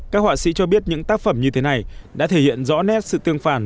các họa sĩ cho biết những tác phẩm như thế này đã thể hiện rõ nét sự tương phản